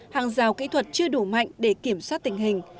hàng rào kỹ thuật chưa đủ mạnh để kiểm soát tình hình